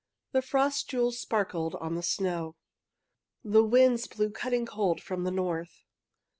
The frost jewels sparkled on the snow. The winds blew cutting cold from the north.